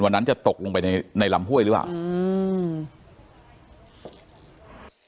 วันนั้นจะตกลงไปในในลำห้วยหรือเปล่าอืม